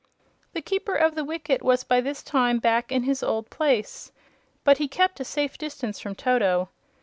The Keeper of the Wicket was by this time back in his old place, but he kept a safe distance from Toto.